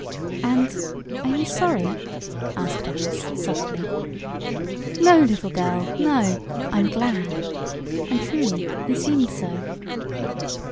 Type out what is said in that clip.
"And are you sorry?" asked Alice, softly. "No, little girl no! I'm glad!" And truly he seemed so.